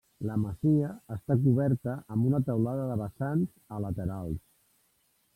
La masia està coberta amb una teulada de vessants a laterals.